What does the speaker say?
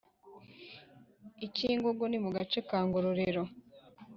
Icyingogo Ni mu gace ka Ngororero